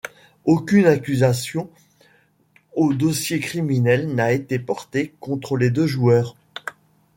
Aucune accusation au dossier criminel n'a été portée contre les deux joueurs.